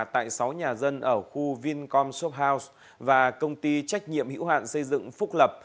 tại sáu nhà dân ở khu vincom shop house và công ty trách nhiệm hữu hạn xây dựng phúc lập